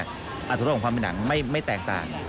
อัตโธรส์ของความเป็นหนังไม่แตกต่าง